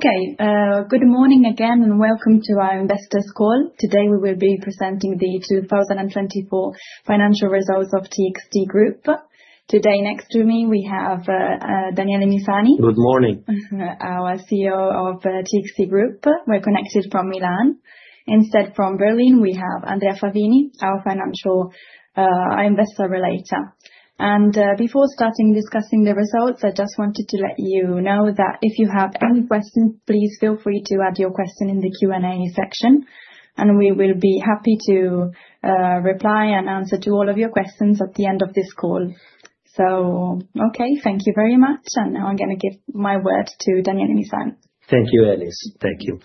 Okay, good morning again and welcome to our investors call. Today we will be presenting the 2024 financial results of TXT Group. Today next to me we have Daniele Misani. Good morning. Our CEO of TXT Group. We're connected from Milan. Instead from Berlin, we have Andrea Favini, our financial, investor relator. Before starting discussing the results, I just wanted to let you know that if you have any questions, please feel free to add your question in the Q&A section, and we will be happy to reply and answer to all of your questions at the end of this call. Thank you very much. Now I'm going to give my word to Daniele Misani. Thank you, Alice. Thank you.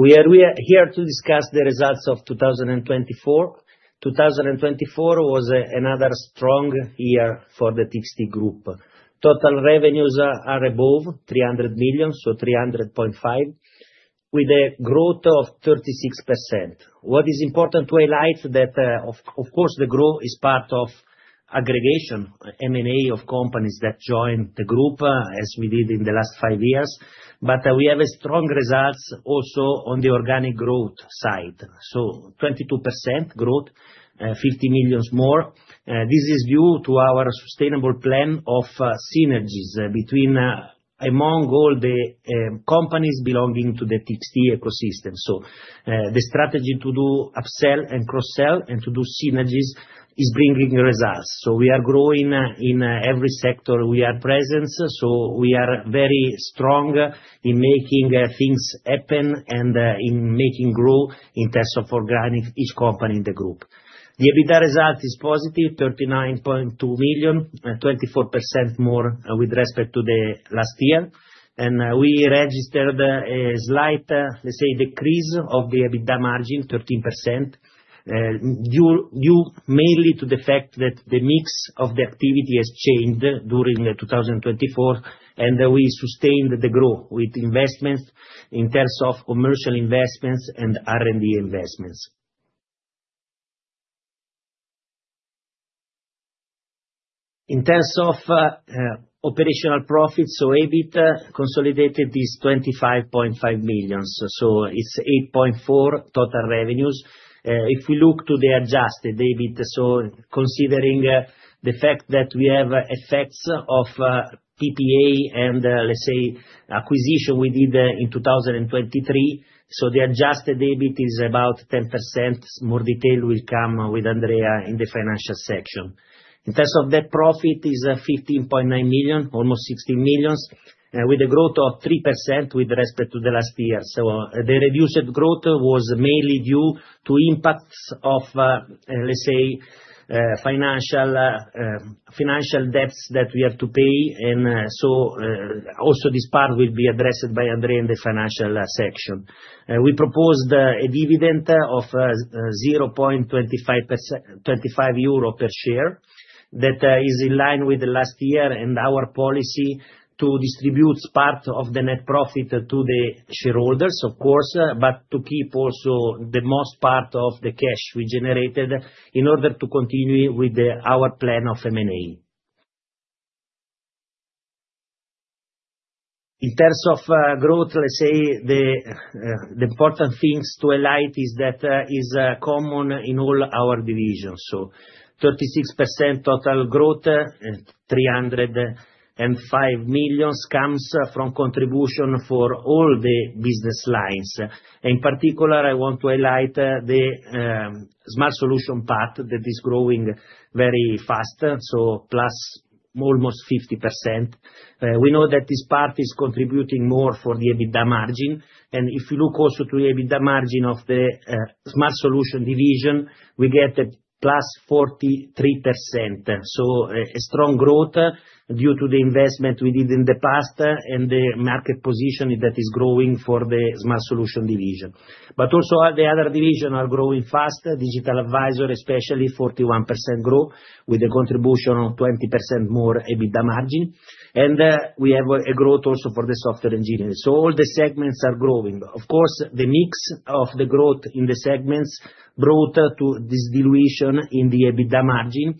We are here to discuss the results of 2024. 2024 was another strong year for the TXT Group. Total revenues are above 300 million, so 300.5 million, with a growth of 36%. What is important to highlight is that, of course, the growth is part of aggregation, M&A of companies that joined the group, as we did in the last five years. We have strong results also on the organic growth side. 22% growth, 50 million more. This is due to our sustainable plan of synergies between, among all the companies belonging to the TXT ecosystem. The strategy to do upsell and cross-sell and to do synergies is bringing results. We are growing in every sector we are present. We are very strong in making things happen and in making growth in terms of organic each company in the group. The EBITDA result is positive, 39.2 million, 24% more with respect to the last year. We registered a slight, let's say, decrease of the EBITDA margin, 13%, due mainly to the fact that the mix of the activity has changed during 2024. We sustained the growth with investments in terms of commercial investments and R&D investments. In terms of operational profits, so EBIT consolidated is 25.5 million. It is 8.4% total revenues. If we look to the adjusted EBIT, so considering the fact that we have effects of PPA and, let's say, acquisition we did in 2023, the adjusted EBIT is about 10%. More detail will come with Andrea in the financial section. In terms of net profit, it is 15.9 million, almost 16 million, with a growth of 3% with respect to the last year. The reduced growth was mainly due to impacts of, let's say, financial debts that we have to pay. Also, this part will be addressed by Andrea in the financial section. We proposed a dividend of 0.25 euro per share that is in line with last year and our policy to distribute part of the net profit to the shareholders, of course, but to keep also the most part of the cash we generated in order to continue with our plan of M&A. In terms of growth, let's say the important things to highlight is that is common in all our divisions. 36% total growth, 305 million comes from contribution for all the business lines. In particular, I want to highlight the Smart Solutions part that is growing very fast, so plus almost 50%. We know that this part is contributing more for the EBITDA margin. If you look also to the EBITDA margin of the Smart Solutions division, we get plus 43%. A strong growth due to the investment we did in the past and the market position that is growing for the Smart Solutions division. Also the other division are growing fast. Digital Advisors, especially 41% growth with a contribution of 20% more EBITDA margin. We have a growth also for the software engineers. All the segments are growing. Of course, the mix of the growth in the segments brought to this dilution in the EBITDA margin.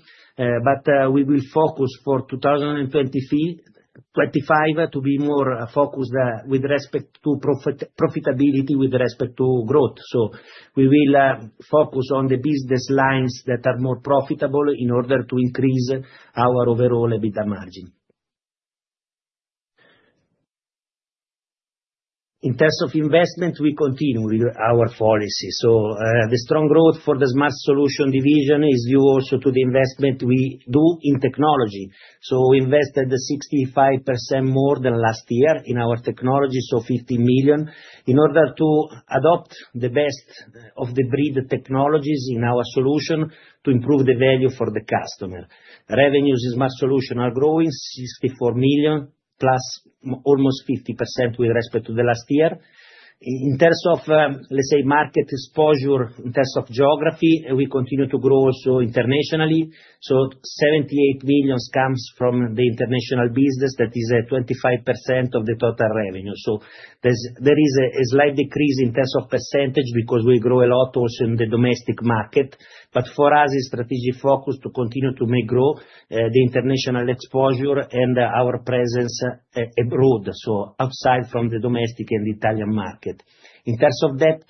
We will focus for 2025 to be more focused with respect to profitability with respect to growth. We will focus on the business lines that are more profitable in order to increase our overall EBITDA margin. In terms of investment, we continue with our policy. The strong growth for the Smart Solutions division is due also to the investment we do in technology. We invested 65% more than last year in our technology, 15 million in order to adopt the best of the breed technologies in our solution to improve the value for the customer. Revenues in Smart Solutions are growing, 64 million plus almost 50% with respect to last year. In terms of, let's say, market exposure in terms of geography, we continue to grow also internationally. 78 million comes from the international business. That is 25% of the total revenue. There is a slight decrease in terms of percentage because we grow a lot also in the domestic market. For us, it's strategic focus to continue to make growth, the international exposure, and our presence abroad. Outside from the domestic and the Italian market. In terms of debt,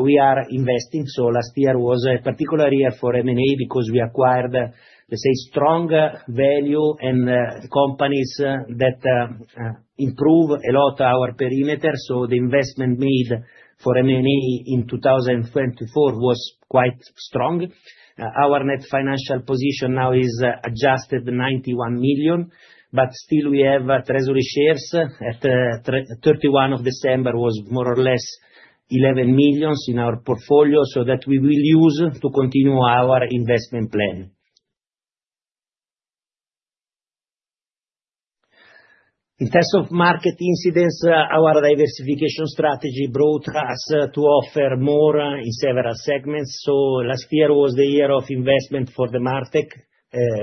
we are investing. Last year was a particular year for M&A because we acquired, let's say, strong value and companies that improve a lot of our perimeter. The investment made for M&A in 2024 was quite strong. Our net financial position now is adjusted 91 million. Still, we have treasury shares at 31 December was more or less 11 million in our portfolio so that we will use to continue our investment plan. In terms of market incidence, our diversification strategy brought us to offer more in several segments. Last year was the year of investment for the MarTech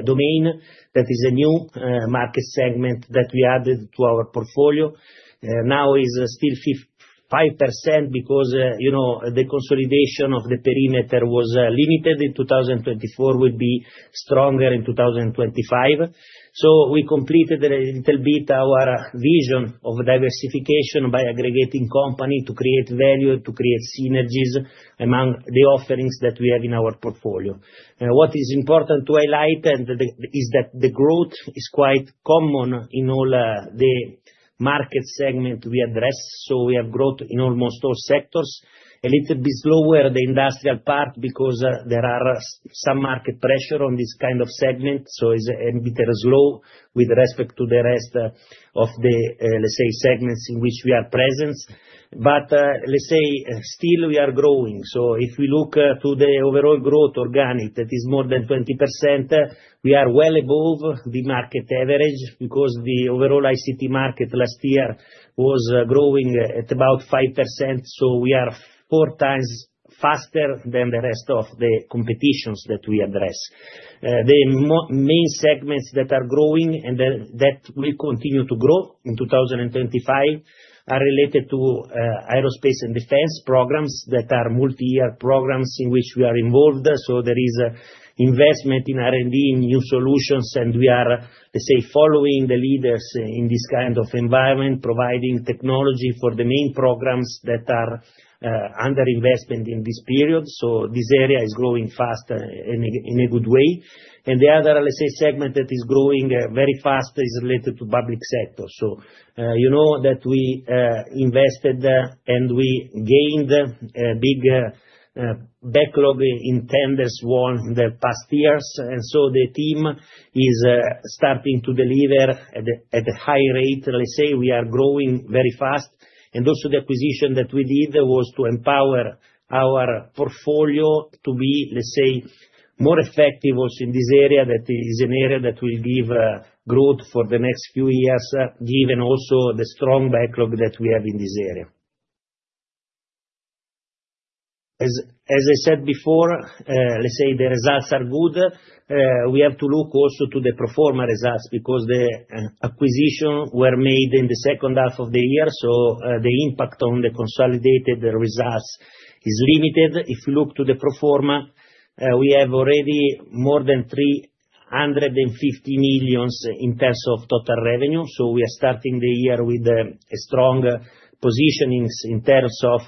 domain. That is a new market segment that we added to our portfolio. Now is still 5% because, you know, the consolidation of the perimeter was limited in 2024, will be stronger in 2025. We completed a little bit our vision of diversification by aggregating company to create value, to create synergies among the offerings that we have in our portfolio. What is important to highlight is that the growth is quite common in all the market segments we address. We have growth in almost all sectors. A little bit slower the industrial part because there are some market pressure on this kind of segment. It is a bit slow with respect to the rest of the, let's say, segments in which we are present. Let's say still we are growing. If we look to the overall growth organic, that is more than 20%, we are well above the market average because the overall ICT market last year was growing at about 5%. We are four times faster than the rest of the competitions that we address. The main segments that are growing and that will continue to grow in 2025 are related to aerospace and defense programs that are multi-year programs in which we are involved. There is investment in R&D, in new solutions, and we are, let's say, following the leaders in this kind of environment, providing technology for the main programs that are under investment in this period. This area is growing fast in a good way. The other, let's say, segment that is growing very fast is related to public sector. You know that we invested and we gained a big backlog in tenders won in the past years. The team is starting to deliver at a high rate. Let's say we are growing very fast. Also, the acquisition that we did was to empower our portfolio to be, let's say, more effective also in this area that is an area that will give growth for the next few years, given also the strong backlog that we have in this area. As I said before, let's say the results are good. We have to look also to the pro forma results because the acquisitions were made in the second half of the year. The impact on the consolidated results is limited. If you look to the pro forma, we have already more than 350 million in terms of total revenue. We are starting the year with strong positionings in terms of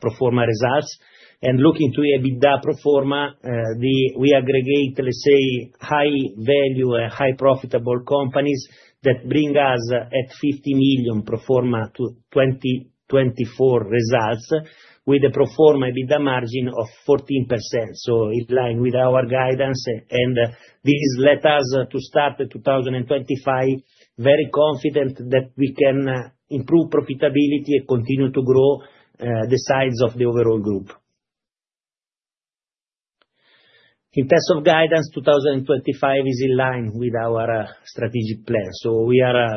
pro forma results. Looking to EBITDA pro forma, we aggregate, let's say, high value and high profitable companies that bring us at 50 million pro forma to 2024 results with a pro forma EBITDA margin of 14%. In line with our guidance, this lets us start 2025 very confident that we can improve profitability and continue to grow the size of the overall group. In terms of guidance, 2025 is in line with our strategic plan.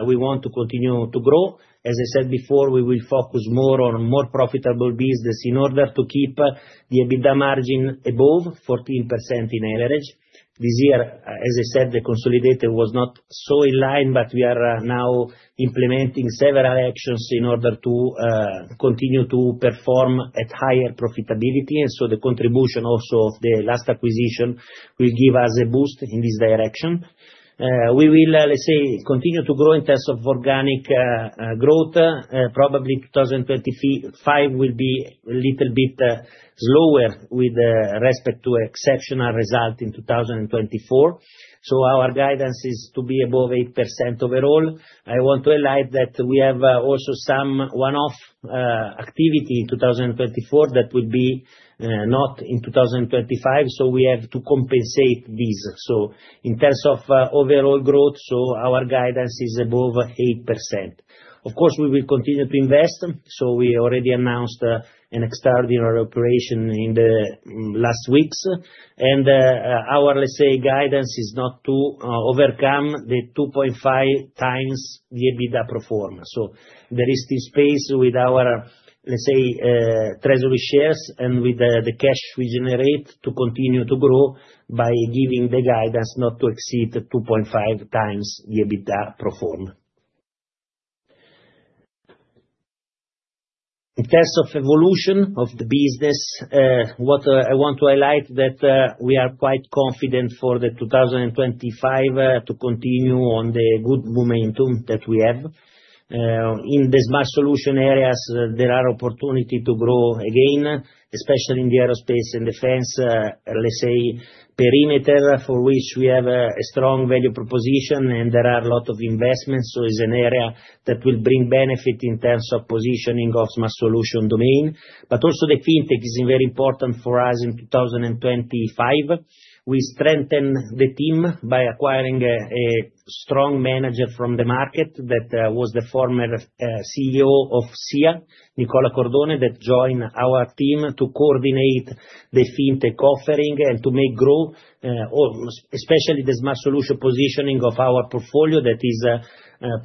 We want to continue to grow. As I said before, we will focus more on more profitable business in order to keep the EBITDA margin above 14% on average. This year, as I said, the consolidated was not so in line, but we are now implementing several actions in order to continue to perform at higher profitability. The contribution also of the last acquisition will give us a boost in this direction. We will, let's say, continue to grow in terms of organic growth. Probably 2025 will be a little bit slower with respect to exceptional result in 2024. Our guidance is to be above 8% overall. I want to highlight that we have also some one-off activity in 2024 that will be not in 2025. We have to compensate these. In terms of overall growth, our guidance is above 8%. Of course, we will continue to invest. We already announced an extraordinary operation in the last weeks. Our, let's say, guidanceis not to overcome the 2.5 times the EBITDA pro forma. There is this space with our, let's say, treasury shares and with the cash we generate to continue to grow by giving the guidance not to exceed 2.5 times the EBITDA pro forma. In terms of evolution of the business, what I want to highlight is that we are quite confident for 2025 to continue on the good momentum that we have. In the smart solution areas, there are opportunities to grow again, especially in the aerospace and defense, let's say, perimeter for which we have a strong value proposition and there are a lot of investments. It is an area that will bring benefit in terms of positioning of smart solution domain. Also the fintech is very important for us in 2025. We strengthen the team by acquiring a strong manager from the market that was the former CEO of SIA, Nicola Cordone, that joined our team to coordinate the fintech offering and to make growth, especially the smart solution positioning of our portfolio that is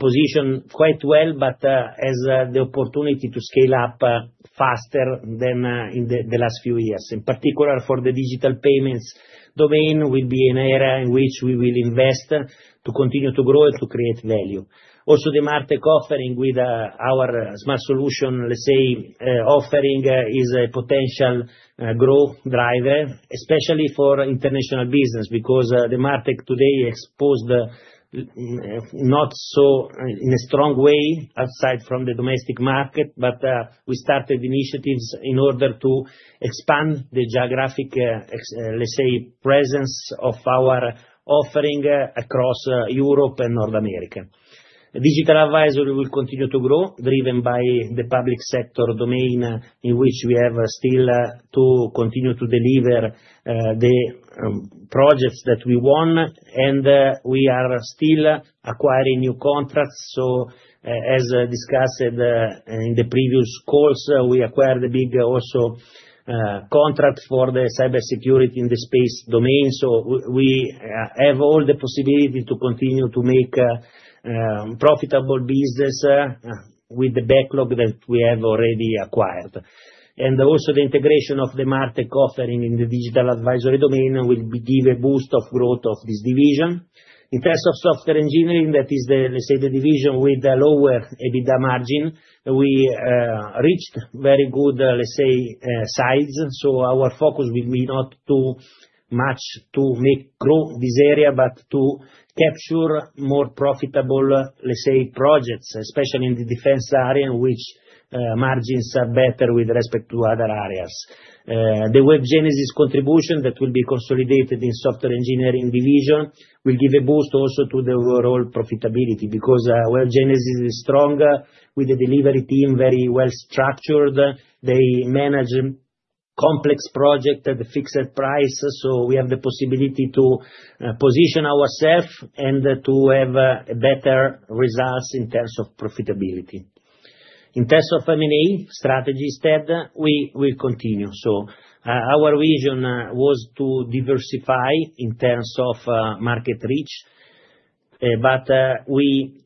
positioned quite well, but has the opportunity to scale up faster than in the last few years. In particular, for the digital payments domain, will be an area in which we will invest to continue to grow and to create value. Also, the MarTech offering with our smart solution, let's say, offering is a potential growth driver, especially for international business, because the MarTech today exposed not so in a strong way outside from the domestic market, but we started initiatives in order to expand the geographic, let's say, presence of our offering across Europe and North America. Digital advisory will continue to grow, driven by the public sector domain in which we have still to continue to deliver the projects that we want. We are still acquiring new contracts. As discussed in the previous calls, we acquired a big also contract for the cybersecurity in the space domain. We have all the possibility to continue to make profitable business with the backlog that we have already acquired. Also, the integration of the MarTech offering in the digital advisory domain will give a boost of growth of this division. In terms of software engineering, that is the, let's say, the division with the lower EBITDA margin. We reached very good, let's say, size. Our focus will be not too much to make grow this area, but to capture more profitable, let's say, projects, especially in the defense area in which margins are better with respect to other areas. The Web Genesis contribution that will be consolidated in software engineering division will give a boost also to the overall profitability because Web Genesis is strong with the delivery team, very well structured. They manage complex projects at the fixed price. We have the possibility to position ourselves and to have better results in terms of profitability. In terms of M&A strategy step, we will continue. Our vision was to diversify in terms of market reach. We,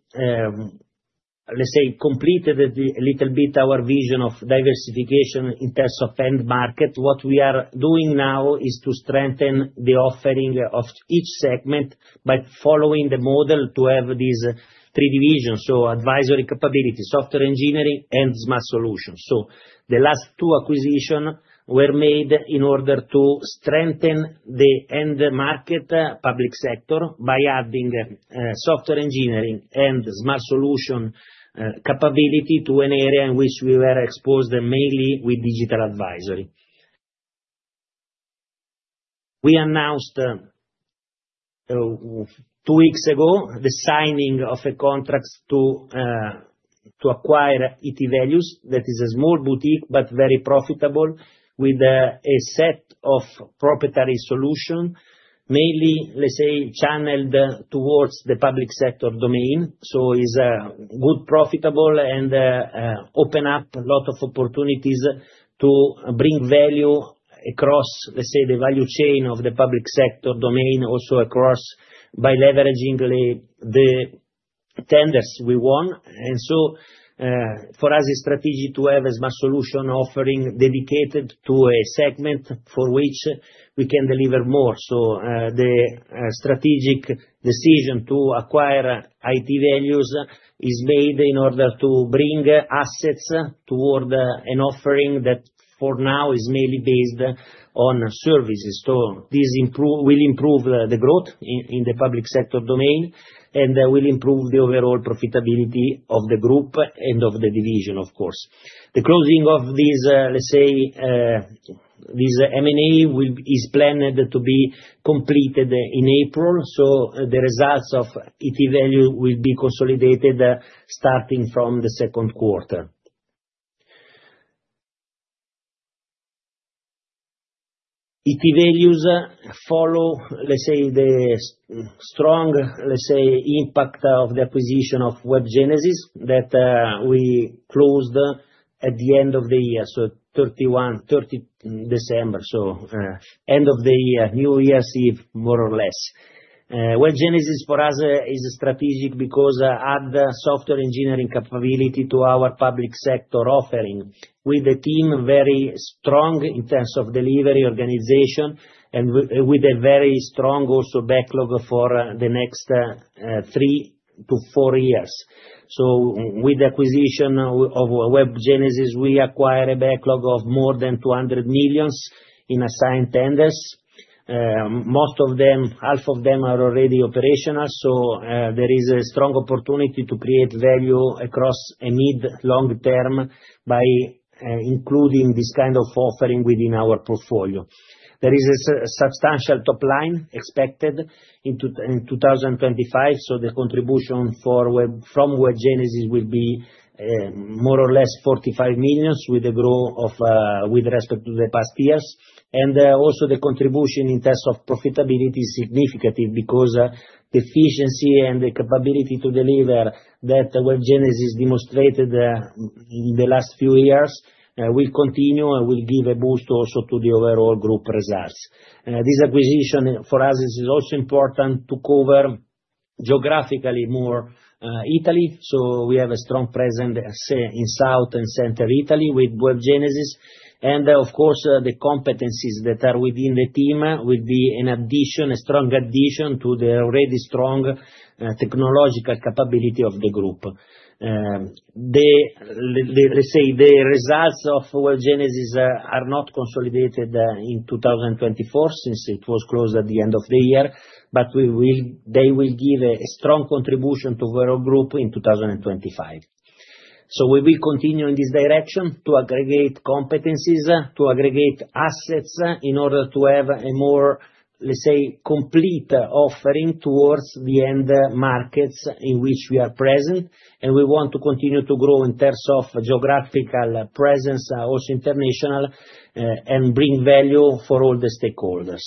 let's say, completed a little bit our vision of diversification in terms of end market. What we are doing now is to strengthen the offering of each segment by following the model to have these three divisions. Advisory capability, software engineering, and smart solutions. The last two acquisitions were made in order to strengthen the end market public sector by adding software engineering and smart solution capability to an area in which we were exposed mainly with digital advisory. We announced two weeks ago the signing of a contract to acquire ET Values. That is a small boutique but very profitable with a set of proprietary solutions, mainly, let's say, channeled towards the public sector domain. It is good, profitable, and opens up a lot of opportunities to bring value across, let's say, the value chain of the public sector domain also across by leveraging the tenders we won. For us, it's strategic to have a smart solution offering dedicated to a segment for which we can deliver more. The strategic decision to acquire ET Values is made in order to bring assets toward an offering that for now is mainly based on services. This will improve the growth in the public sector domain and will improve the overall profitability of the group and of the division, of course. The closing of this, let's say, this M&A is planned to be completed in April. The results of ET Values will be consolidated starting from the second quarter. ET Values follow, let's say, the strong, let's say, impact of the acquisition of Web Genesis that we closed at the end of the year. Thirty-one, thirty December. End of the year, New Year's Eve, more or less. Web Genesis for us is strategic because it adds software engineering capability to our public sector offering with a team very strong in terms of delivery organization and with a very strong also backlog for the next three to four years. With the acquisition of Web Genesis, we acquire a backlog of more than 200 million in assigned tenders. Most of them, half of them are already operational. There is a strong opportunity to create value across a mid-long term by including this kind of offering within our portfolio. There is a substantial top line expected in 2025. The contribution from Web Genesis will be more or less 45 million with the growth with respect to the past years. The contribution in terms of profitability is significant because the efficiency and the capability to deliver that Web Genesis demonstrated in the last few years will continue and will give a boost also to the overall group results. This acquisition for us is also important to cover geographically more Italy. We have a strong presence in south and center Italy with Web Genesis. Of course, the competencies that are within the team will be an addition, a strong addition to the already strong technological capability of the group. Let's say the results of Web Genesis are not consolidated in 2024 since it was closed at the end of the year, but they will give a strong contribution to the overall group in 2025. We will continue in this direction to aggregate competencies, to aggregate assets in order to have a more, let's say, complete offering towards the end markets in which we are present. We want to continue to grow in terms of geographical presence also international and bring value for all the stakeholders.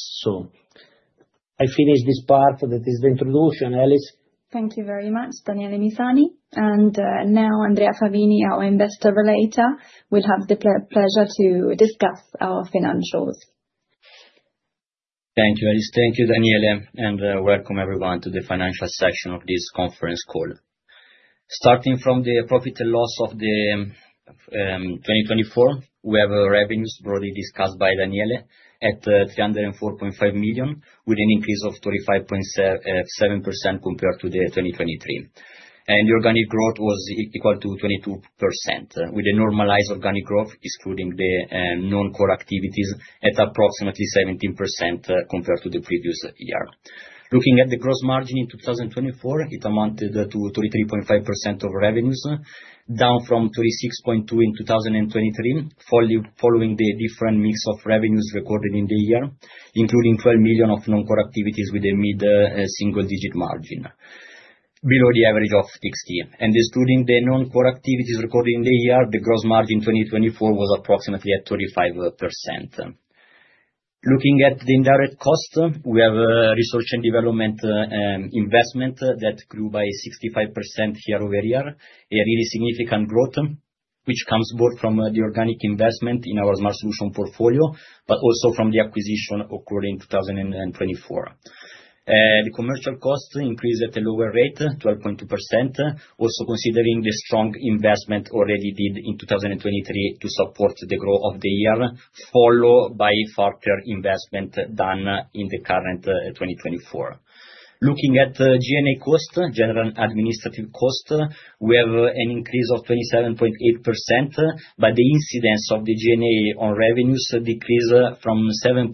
I finished this part. That is the introduction, Alice. Thank you very much, Daniele Misani. Now, Andrea Favini, our investor relator, will have the pleasure to discuss our financials. Thank you, Alice. Thank you, Daniele. Welcome everyone to the financial section of this conference call. Starting from the profit and loss of 2024, we have revenues broadly discussed by Daniele at 304.5 million with an increase of 25.7% compared to 2023. The organic growth was equal to 22% with a normalized organic growth, excluding the non-core activities, at approximately 17% compared to the previous year. Looking at the gross margin in 2024, it amounted to 33.5% of revenues, down from 36.2% in 2023, following the different mix of revenues recorded in the year, including 12 million of non-core activities with a mid-single-digit margin below the average of 60. Excluding the non-core activities recorded in the year, the gross margin in 2024 was approximately at 35%. Looking at the indirect cost, we have research and development investment that grew by 65% year over year, a really significant growth, which comes both from the organic investment in our smart solution portfolio, but also from the acquisition occurred in 2024. The commercial cost increased at a lower rate, 12.2%, also considering the strong investment already did in 2023 to support the growth of the year, followed by far better investment than in the current 2024. Looking at G&A cost, general administrative cost, we have an increase of 27.8%, but the incidence of the G&A on revenues decreased from 7.3%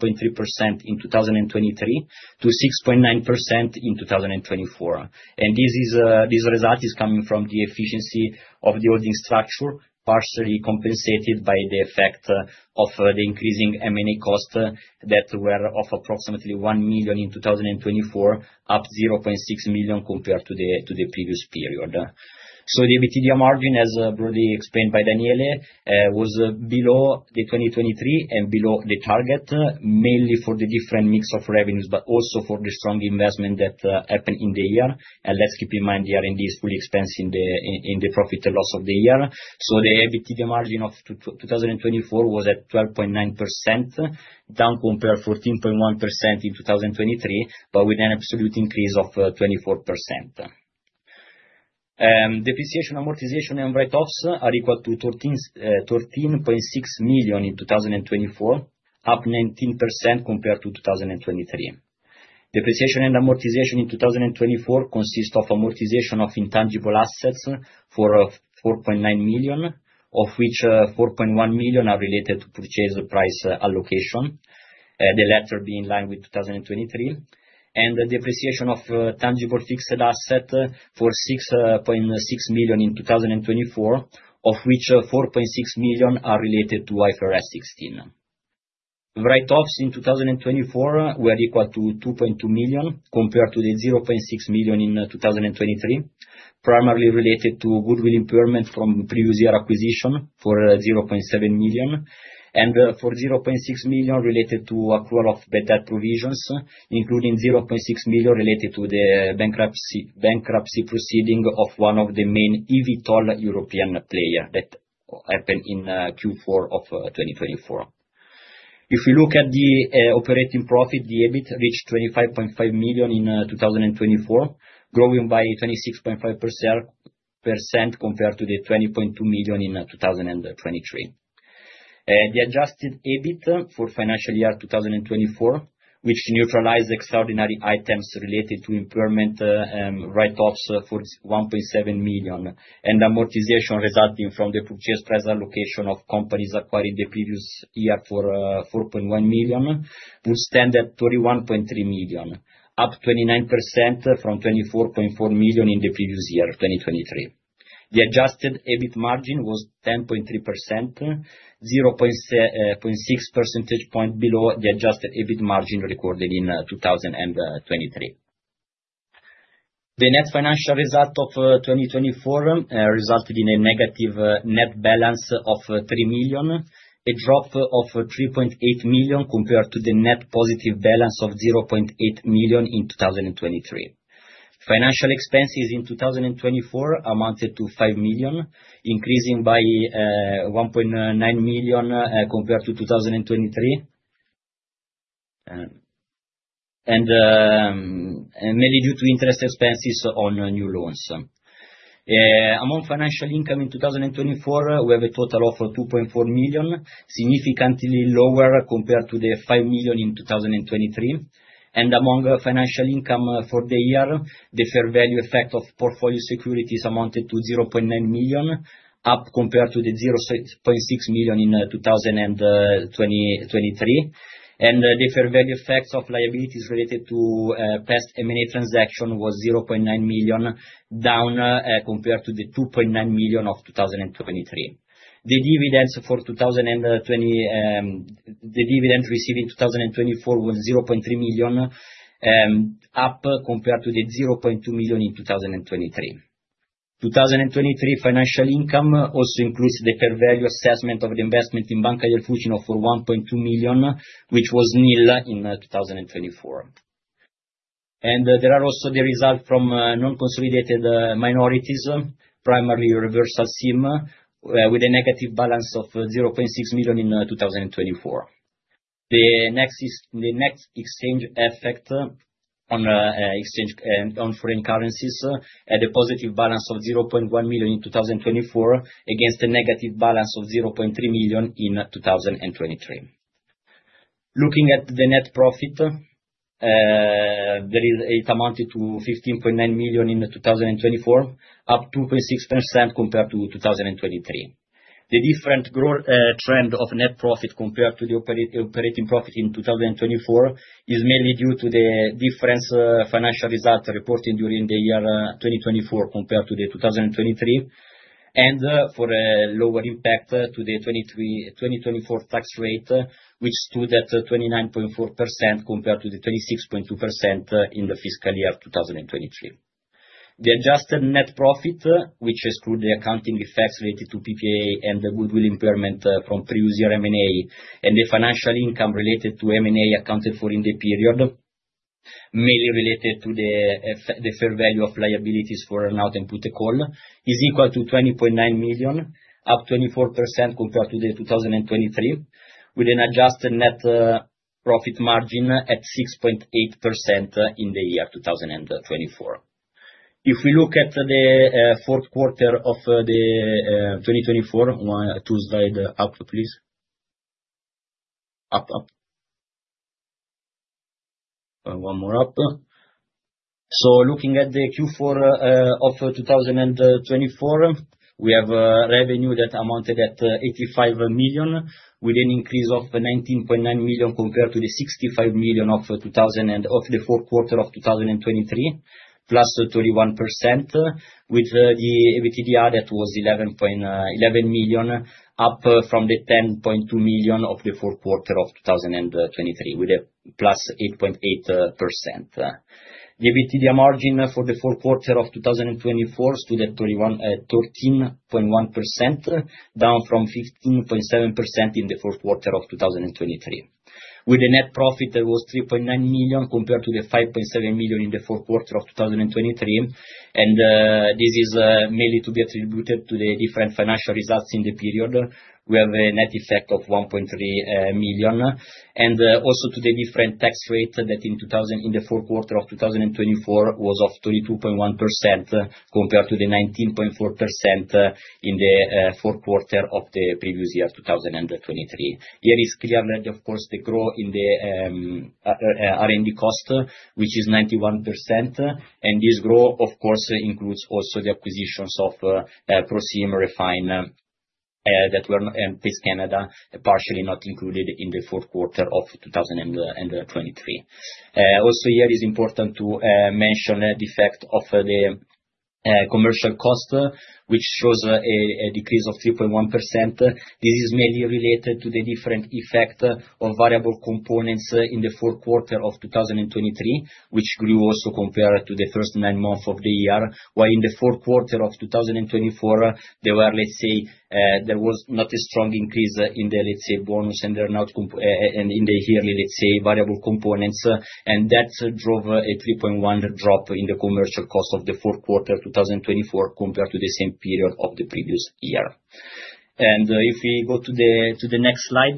in 2023 to 6.9% in 2024. This result is coming from the efficiency of the holding structure, partially compensated by the effect of the increasing M&A cost that were of approximately 1 million in 2024, up 0.6 million compared to the previous period. The EBITDA margin, as broadly explained by Daniele, was below the 2023 and below the target, mainly for the different mix of revenues, but also for the strong investment that happened in the year. Let's keep in mind the R&D is fully expensing the profit and loss of the year. The EBITDA margin of 2024 was at 12.9%, down compared to 14.1% in 2023, but with an absolute increase of 24%. Depreciation, amortization, and write-offs are equal to 13.6 million in 2024, up 19% compared to 2023. Depreciation and amortization in 2024 consist of amortization of intangible assets for 4.9 million, of which 4.1 million are related to purchase price allocation, the latter being in line with 2023. The depreciation of tangible fixed assets for 6.6 million in 2024, of which 4.6 million are related to IFRS 16. Write-offs in 2024 were equal to 2.2 million compared to the 0.6 million in 2023, primarily related to goodwill impairment from previous year acquisition for 0.7 million. For 0.6 million, related to accrual of better provisions, including 0.6 million related to the bankruptcy proceeding of one of the main eVTOL European players that happened in Q4 of 2024. If we look at the operating profit, the EBIT reached 25.5 million in 2024, growing by 26.5% compared to the 20.2 million in 2023. The adjusted EBIT for financial year 2024, which neutralized extraordinary items related to impairment, write-offs for 1.7 million, and amortization resulting from the purchase price allocation of companies acquired the previous year for 4.1 million, would stand at 31.3 million, up 29% from 24.4 million in the previous year, 2023. The adjusted EBIT margin was 10.3%, 0.6 percentage point below the adjusted EBIT margin recorded in 2023. The net financial result of 2024 resulted in a negative net balance of 3 million, a drop of 3.8 million compared to the net positive balance of 0.8 million in 2023. Financial expenses in 2024 amounted to 5 million, increasing by 1.9 million compared to 2023, and mainly due to interest expenses on new loans. Among financial income in 2024, we have a total of 2.4 million, significantly lower compared to the 5 million in 2023. Among financial income for the year, the fair value effect of portfolio securities amounted to 0.9 million, up compared to the 0.6 million in 2023. The fair value effect of liabilities related to past M&A transactions was 0.9 million, down compared to the 2.9 million of 2023. The dividends received in 2024 were 0.3 million, up compared to the 0.2 million in 2023. 2023 financial income also includes the fair value assessment of the investment in Banca del Fucino for 1.2 million, which was nil in 2024. There are also the results from non-consolidated minorities, primarily Reversal SIM, with a negative balance of 0.6 million in 2024. The net exchange effect on foreign currencies had a positive balance of 0.1 million in 2024 against a negative balance of 0.3 million in 2023. Looking at the net profit, it amounted to 15.9 million in 2024, up 2.6% compared to 2023. The different trend of net profit compared to the operating profit in 2024 is mainly due to the different financial results reported during the year 2024 compared to 2023, and for a lower impact to the 2024 tax rate, which stood at 29.4% compared to the 26.2% in the fiscal year 2023. The adjusted net profit, which excluded the accounting effects related to PPA and the goodwill impairment from previous year M&A and the financial income related to M&A accounted for in the period, mainly related to the fair value of liabilities for an out-and-put call, is equal to 20.9 million, up 24% compared to 2023, with an adjusted net profit margin at 6.8% in the year 2024. If we look at the fourth quarter of 2024, to slide up, please. Up, up. One more up. Looking at the Q4 of 2024, we have revenue that amounted at 85 million, with an increase of 19.9 million compared to the 65 million of the fourth quarter of 2023, plus 31%, with the EBITDA that was 11.11 million, up from the 10.2 million of the fourth quarter of 2023, with a plus 8.8%. The EBITDA margin for the fourth quarter of 2024 stood at 13.1%, down from 15.7% in the fourth quarter of 2023. With the net profit, it was 3.9 million compared to the 5.7 million in the fourth quarter of 2023. This is mainly to be attributed to the different financial results in the period. We have a net effect of 1.3 million. Also, to the different tax rate that in the fourth quarter of 2024 was 32.1% compared to the 19.4% in the fourth quarter of the previous year, 2023. Here is clearly, of course, the growth in the R&D cost, which is 91%. This growth, of course, includes also the acquisitions of ProSim Refine and PACE Canada, partially not included in the fourth quarter of 2023. Also, here it is important to mention the effect of the commercial cost, which shows a decrease of 3.1%. This is mainly related to the different effect of variable components in the fourth quarter of 2023, which grew also compared to the first nine months of the year, while in the fourth quarter of 2024, there was not a strong increase in the, let's say, bonus and the yearly, let's say, variable components. That drove a 3.1% drop in the commercial cost of the fourth quarter of 2024 compared to the same period of the previous year. If we go to the next slide,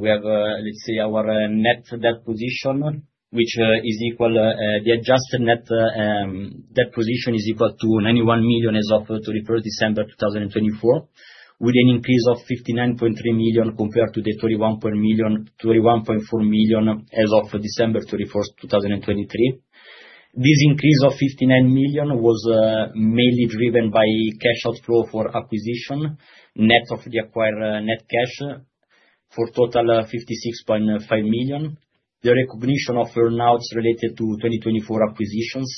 we have, let's say, our net debt position, which is equal, the adjusted net debt position is equal to 91 million as of 31st December 2024, with an increase of 59.3 million compared to the 31.4 million as of December 31st, 2023. This increase of 59 million was mainly driven by cash outflow for acquisition, net of the acquired net cash for total 56.5 million. The recognition of earnouts related to 2024 acquisitions,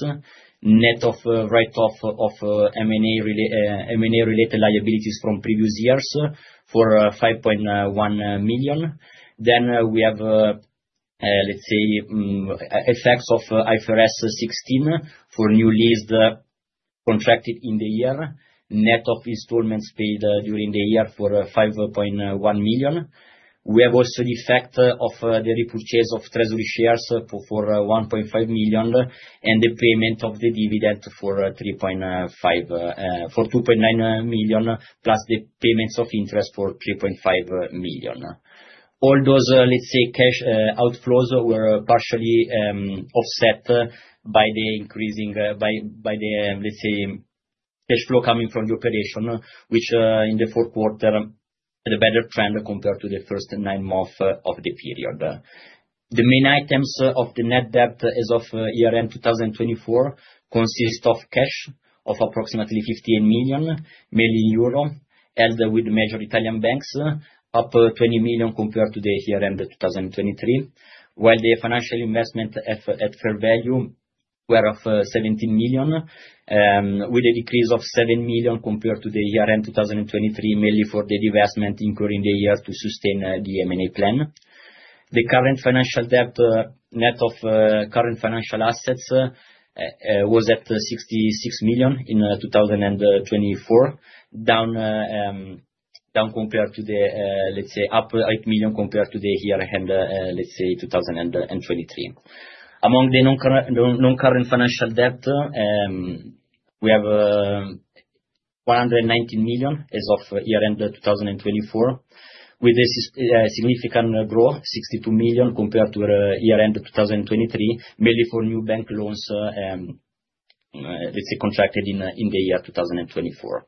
net of write-off of M&A-related liabilities from previous years for 5.1 million. We have, let's say, effects of IFRS 16 for new leases contracted in the year, net of installments paid during the year for 5.1 million. We have also the effect of the repurchase of treasury shares for 1.5 million and the payment of the dividend for 2.9 million, plus the payments of interest for 3.5 million. All those, let's say, cash outflows were partially offset by the increasing, by the, let's say, cash flow coming from the operation, which in the fourth quarter, the better trend compared to the first nine months of the period. The main items of the net debt as of year-end 2024 consist of cash of approximately 58 million, mainly euro, held with major Italian banks, up 20 million compared to the year-end 2023, while the financial investment at fair value were of 17 million, with a decrease of 7 million compared to the year-end 2023, mainly for the divestment incurring the year to sustain the M&A plan. The current financial debt, net of current financial assets, was at 66 million in 2024, up EUR 8 million compared to the year-end 2023. Among the non-current financial debt, we have 119 million as of year-end 2024, with a significant growth, 62 million compared to year-end 2023, mainly for new bank loans contracted in the year 2024.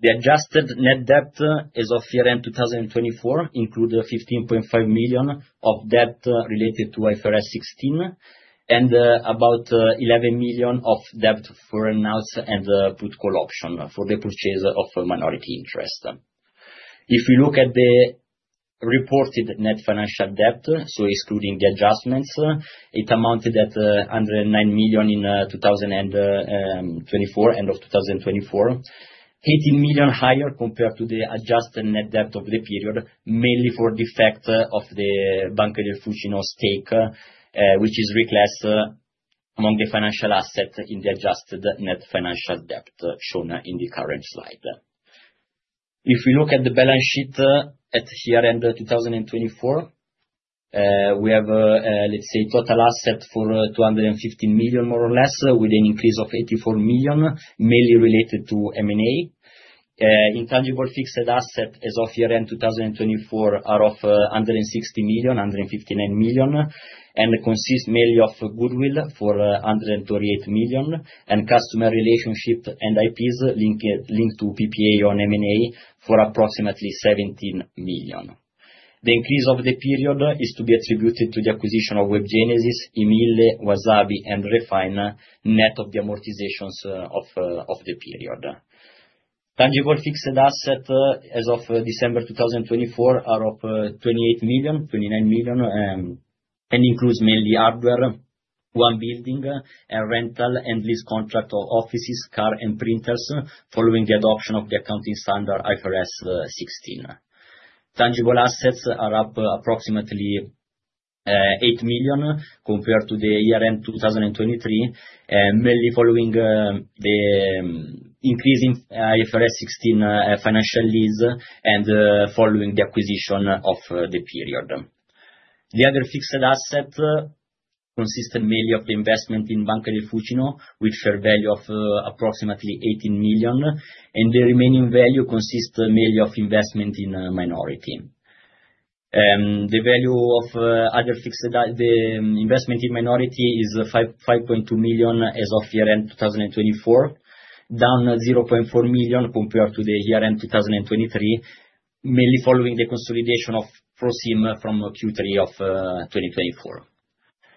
The adjusted net debt as of year-end 2024 includes 15.5 million of debt related to IFRS 16 and about 11 million of debt for earnouts and put call option for the purchase of minority interest. If we look at the reported net financial debt, so excluding the adjustments, it amounted at 109 million in 2024, end of 2024, 18 million higher compared to the adjusted net debt of the period, mainly for the effect of the Banca del Fucino stake, which is reclassed among the financial assets in the adjusted net financial debt shown in the current slide. If we look at the balance sheet at year-end 2024, we have, let's say, total asset for 215 million, more or less, with an increase of 84 million, mainly related to M&A. Intangible fixed assets as of year-end 2024 are of 160 million, 159 million, and consist mainly of goodwill for 138 million, and customer relationship and IPs linked to PPA on M&A for approximately 17 million. The increase of the period is to be attributed to the acquisition of Web Genesis, I MILLE, Wasabi, and Refine, net of the amortizations of the period. Tangible fixed assets as of December 2024 are of 28 million, 29 million, and includes mainly hardware, one building, a rental and lease contract of offices, car, and printers, following the adoption of the accounting standard IFRS 16. Tangible assets are up approximately 8 million compared to the year-end 2023, mainly following the increase in IFRS 16 financial leads and following the acquisition of the period. The other fixed assets consist mainly of the investment in Banca del Fucino, with fair value of approximately 18 million, and the remaining value consists mainly of investment in minority. The value of other fixed investment in minority is 5.2 million as of year-end 2024, down 0.4 million compared to the year-end 2023, mainly following the consolidation of ProSim Refine from Q3 of 2024.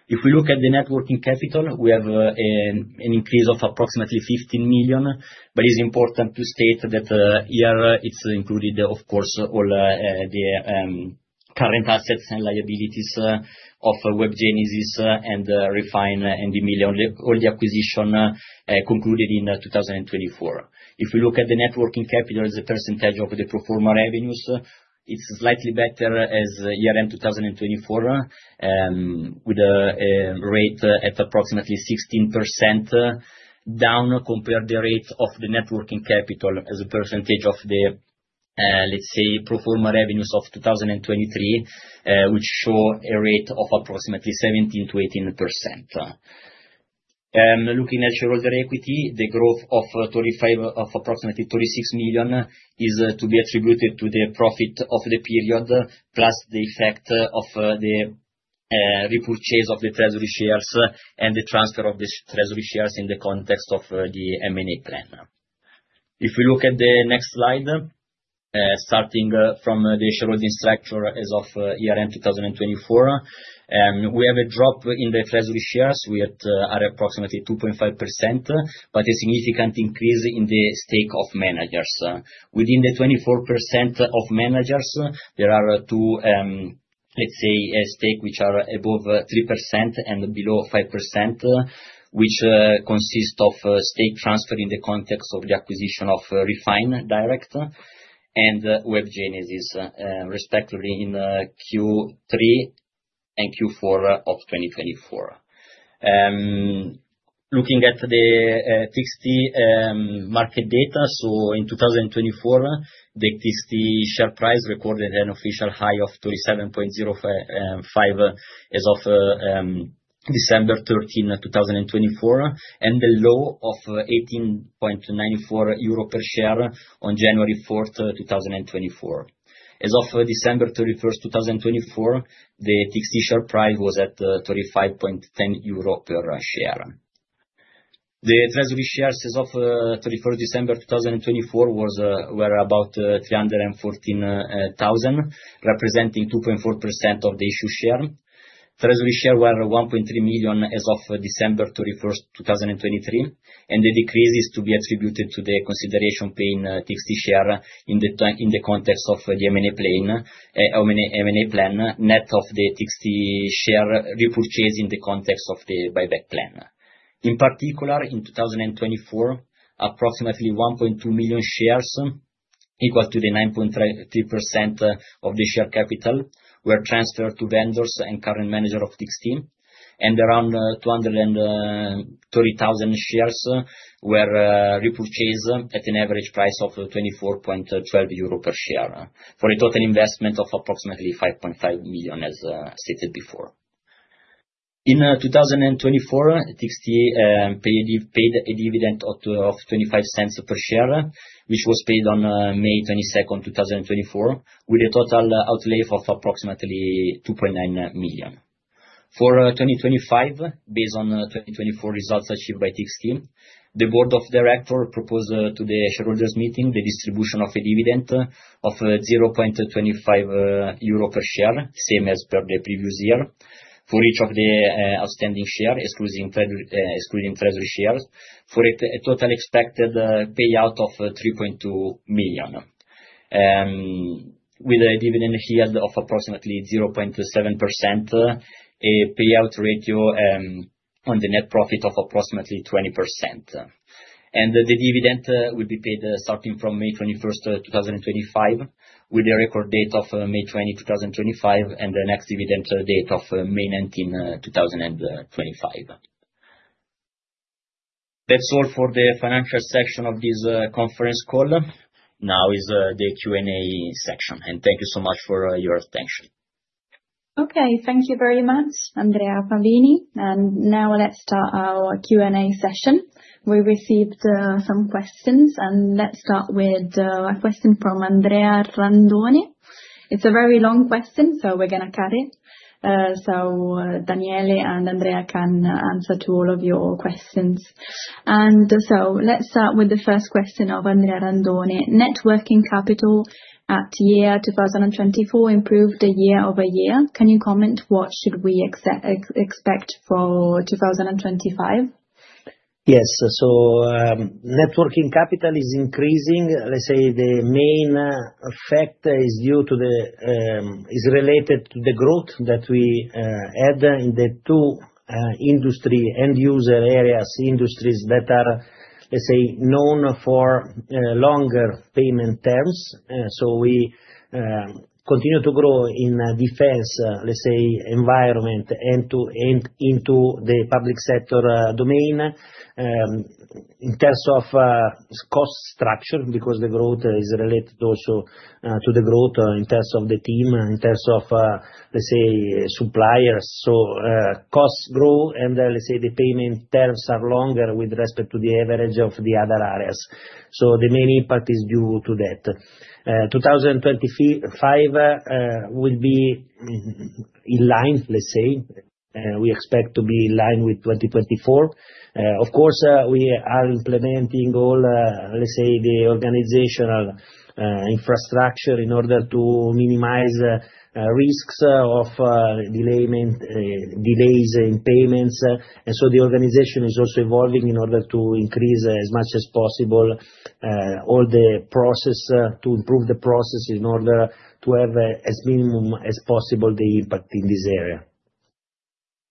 If we look at the networking capital, we have an increase of approximately 15 million, but it's important to state that here it's included, of course, all the current assets and liabilities of Web Genesis and Refine and Emil, all the acquisition concluded in 2024. If we look at the working capital as a percentage of the pro forma revenues, it's slightly better as year-end 2024, with a rate at approximately 16% down compared to the rate of the working capital as a percentage of the, let's say, pro forma revenues of 2023, which show a rate of approximately 17-18%. Looking at shareholder equity, the growth of approximately 36 million is to be attributed to the profit of the period, plus the effect of the repurchase of the treasury shares and the transfer of the treasury shares in the context of the M&A plan. If we look at the next slide, starting from the shareholding structure as of year-end 2024, we have a drop in the treasury shares. We are at approximately 2.5%, but a significant increase in the stake of managers. Within the 24% of managers, there are two, let's say, stakes which are above 3% and below 5%, which consist of stake transfer in the context of the acquisition of ProSim Refine and Web Genesis, respectively in Q3 and Q4 of 2024. Looking at the TXT market data, in 2024, the TXT share price recorded an official high of 37.05 as of December 13, 2024, and a low of 18.94 euro per share on January 4, 2024. As of December 31, 2024, the TXT share price was at 35.10 euro per share. The treasury shares as of December 31, 2024 were about 314,000, representing 2.4% of the issued share. Treasury shares were 1.3 million as of December 31, 2023, and the decrease is to be attributed to the consideration paid in TXT share in the context of the M&A plan, net of the TXT share repurchase in the context of the buyback plan. In particular, in 2024, approximately 1.2 million shares, equal to 9.3% of the share capital, were transferred to vendors and current managers of TXT, and around 230,000 shares were repurchased at an average price of 24.12 euro per share for a total investment of approximately 5.5 million, as stated before. In 2024, TXT paid a dividend of 0.25 per share, which was paid on May 22, 2024, with a total outlay of approximately 2.9 million. For 2025, based on 2024 results achieved by TXT, the board of directors proposed to the shareholders' meeting the distribution of a dividend of 0.25 euro per share, same as per the previous year, for each of the outstanding shares, excluding treasury shares, for a total expected payout of 3.2 million, with a dividend yield of approximately 0.7%, a payout ratio on the net profit of approximately 20%. The dividend will be paid starting from May 21, 2025, with the record date of May 20, 2025, and the next dividend date of May 19, 2025. That is all for the financial section of this conference call. Now is the Q&A section. Thank you so much for your attention. Thank you very much, Andrea Favini. Now let's start our Q&A session. We received some questions, and let's start with a question from Andrea Randoni. It's a very long question, so we're going to cut it. Daniele and Andrea can answer to all of your questions. Let's start with the first question of Andrea Randoni. Working capital at year 2024 improved year over year. Can you comment what should we expect for 2025? Yes. Working capital is increasing. Let's say the main effect is related to the growth that we had in the two industry end-user areas, industries that are known for longer payment terms. We continue to grow in defense environment and into the public sector domain in terms of cost structure because the growth is related also to the growth in terms of the team, in terms of suppliers. Costs grow, and let's say the payment terms are longer with respect to the average of the other areas. The main impact is due to that. 2025 will be in line, let's say. We expect to be in line with 2024. Of course, we are implementing all, let's say, the organizational infrastructure in order to minimize risks of delays in payments. The organization is also evolving in order to increase as much as possible all the process to improve the process in order to have as minimum as possible the impact in this area.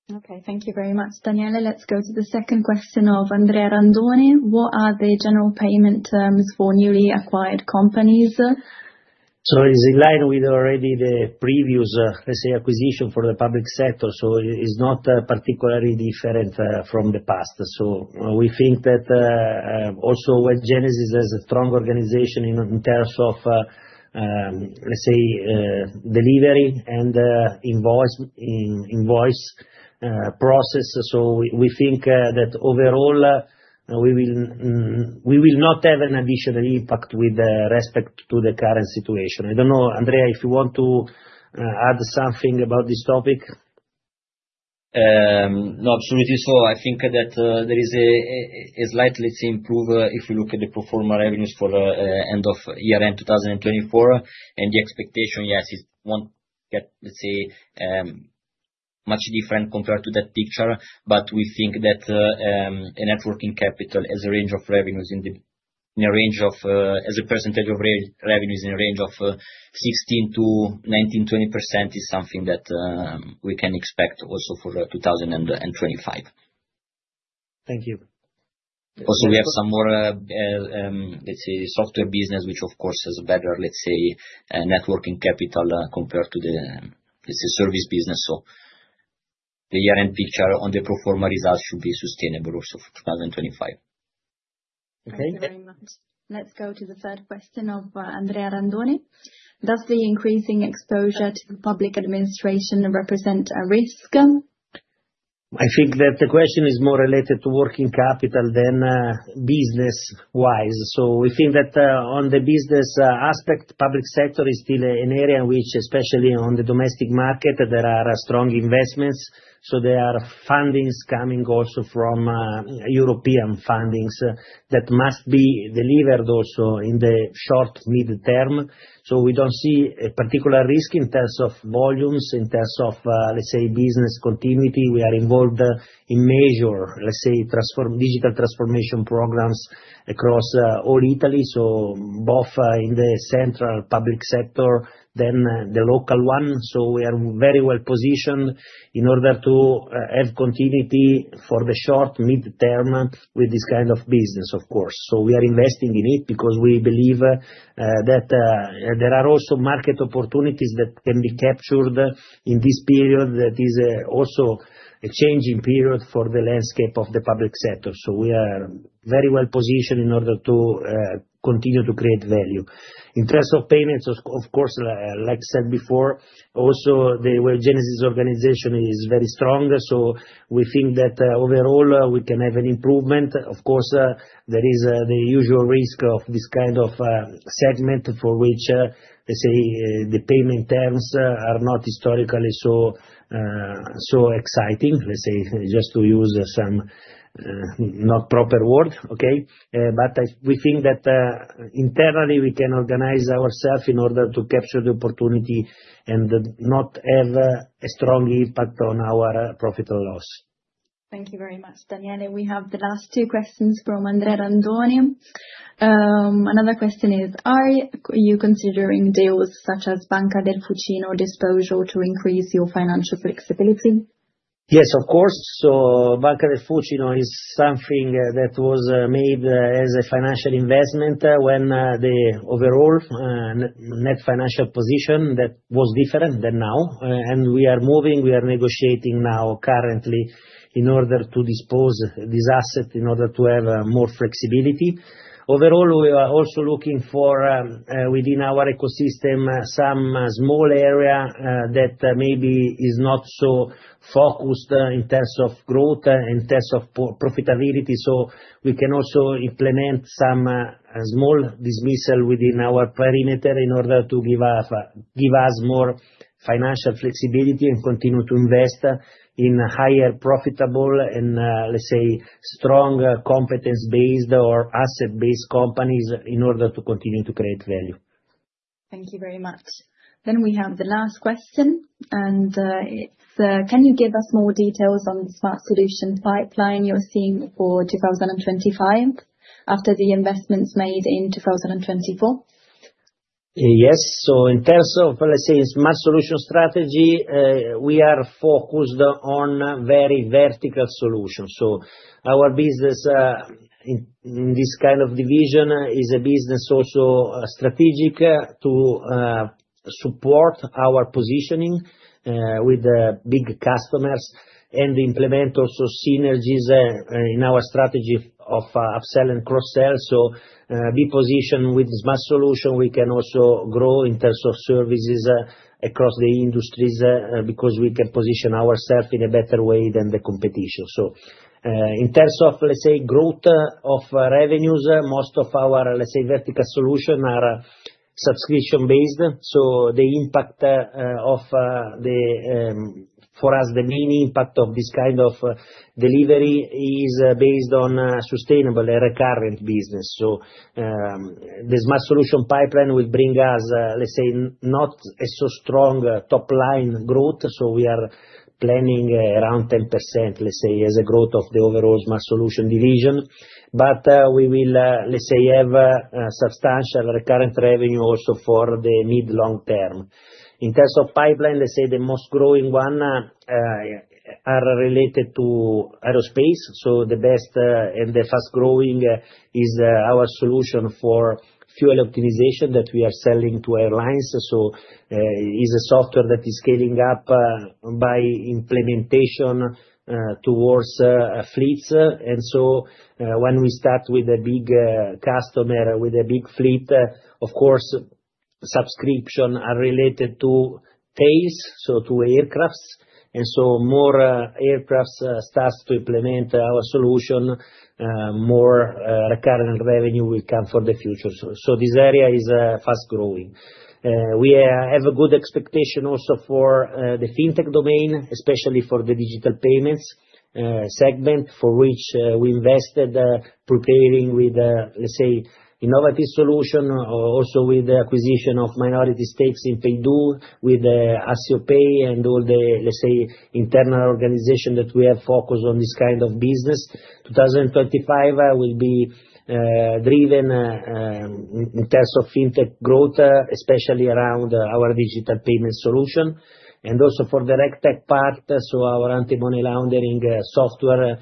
Okay. Thank you very much, Daniele. Let's go to the second question of Andrea Randoni. What are the general payment terms for newly acquired companies? It's in line with already the previous, let's say, acquisition for the public sector. It's not particularly different from the past. We think that also Web Genesis has a strong organization in terms of, let's say, delivery and invoice process. We think that overall, we will not have an additional impact with respect to the current situation. I don't know, Andrea, if you want to add something about this topic. No, absolutely. I think that there is a slight, let's say, improve if we look at the pro forma revenues for end of year-end 2024. The expectation, yes, is won't get, let's say, much different compared to that picture. We think that working capital as a percentage of revenues in the range of 16-19, 20% is something that we can expect also for 2025. Thank you. Also, we have some more, let's say, software business, which of course has better, let's say, working capital compared to the, let's say, service business. The year-end picture on the pro forma results should be sustainable also for 2025. Okay. Thank you very much. Let's go to the third question of Andrea Randoni. Does the increasing exposure to the public administration represent a risk? I think that the question is more related to working capital than business-wise. We think that on the business aspect, public sector is still an area in which, especially on the domestic market, there are strong investments. There are fundings coming also from European fundings that must be delivered also in the short, mid-term. We do not see a particular risk in terms of volumes, in terms of, let's say, business continuity. We are involved in major, let's say, digital transformation programs across all Italy, so both in the central public sector than the local one. We are very well positioned in order to have continuity for the short, mid-term with this kind of business, of course. We are investing in it because we believe that there are also market opportunities that can be captured in this period that is also a changing period for the landscape of the public sector. We are very well positioned in order to continue to create value. In terms of payments, of course, like I said before, also the Web Genesis organization is very strong. We think that overall, we can have an improvement. Of course, there is the usual risk of this kind of segment for which, let's say, the payment terms are not historically so exciting, let's say, just to use some not proper word, okay? We think that internally, we can organize ourselves in order to capture the opportunity and not have a strong impact on our profit or loss. Thank you very much, Daniele. We have the last two questions from Andrea Randoni. Another question is, are you considering deals such as Banca del Fucino disposure to increase your financial flexibility? Yes, of course. Banca del Fucino is something that was made as a financial investment when the overall net financial position that was different than now. We are moving, we are negotiating now currently in order to dispose of this asset in order to have more flexibility. Overall, we are also looking for, within our ecosystem, some small area that maybe is not so focused in terms of growth and in terms of profitability. We can also implement some small dismissal within our perimeter in order to give us more financial flexibility and continue to invest in higher profitable and, let's say, strong competence-based or asset-based companies in order to continue to create value. Thank you very much. We have the last question. It is, can you give us more details on the smart solution pipeline you are seeing for 2025 after the investments made in 2024? Yes. In terms of, let's say, smart solution strategy, we are focused on very vertical solutions. Our business in this kind of division is a business also strategic to support our positioning with big customers and implement also synergies in our strategy of sell and cross-sell. Be positioned with smart solution, we can also grow in terms of services across the industries because we can position ourselves in a better way than the competition. In terms of, let's say, growth of revenues, most of our, let's say, vertical solutions are subscription-based. The impact of the, for us, the main impact of this kind of delivery is based on sustainable and recurrent business. The smart solution pipeline will bring us, let's say, not a so strong top-line growth. We are planning around 10% as a growth of the overall smart solution division. We will, let's say, have substantial recurrent revenue also for the mid-long term. In terms of pipeline, let's say the most growing one are related to aerospace. The best and the fast-growing is our solution for fuel optimization that we are selling to airlines. It is a software that is scaling up by implementation towards fleets. When we start with a big customer with a big fleet, of course, subscriptions are related to tails, so to aircrafts. More aircrafts start to implement our solution, more recurrent revenue will come for the future. This area is fast-growing. We have a good expectation also for the fintech domain, especially for the digital payments segment for which we invested preparing with, let's say, innovative solution, also with the acquisition of minority stakes in PayDoo, with ASIO Pay, and all the, let's say, internal organization that we have focused on this kind of business. 2025 will be driven in terms of fintech growth, especially around our digital payment solution. Also for the RegTech part, our anti-money laundering software